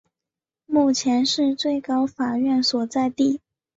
目前是最高法院所在地。